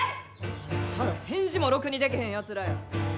あんたら返事もろくにでけへんやつらや。